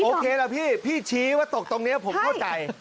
โอเคล่ะพี่พี่ชี้ว่าตกตรงนี้ผมเข้าใจ